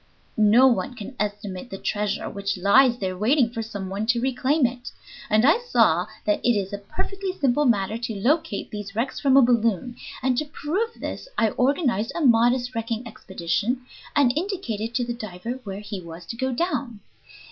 No one can estimate the treasure which lies there waiting for some one to reclaim it. And I saw that it is a perfectly simple matter to locate these wrecks from a balloon, and to prove this I organized a modest wrecking expedition, and indicated to the diver where he was to go down.